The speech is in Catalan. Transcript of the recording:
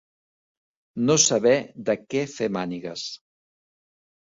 No saber de què fer mànigues.